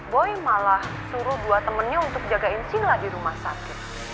boy malah suruh buat temennya untuk jagain sila di rumah sakit